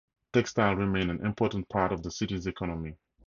Textiles remain an important part of the city's economy.